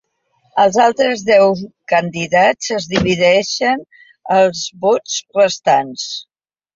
Els altres deu candidats es dividien els vots restants.